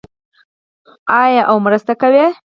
آیا او مرسته کوي؟